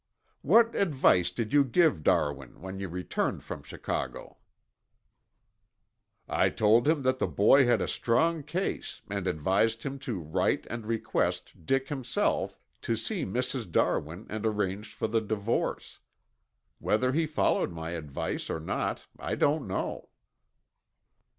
"What advice did you give Darwin when you returned from Chicago?" "I told him that the boy had a strong case and advised him to write and request Dick himself to see Mrs. Darwin and arrange for the divorce. Whether he followed my advice or not I don't know."